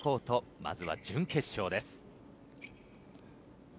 まずは準決勝です。